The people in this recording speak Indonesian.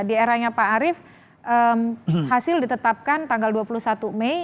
di eranya pak arief hasil ditetapkan tanggal dua puluh satu mei